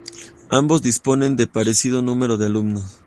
Ambos disponen de parecido número de alumnos.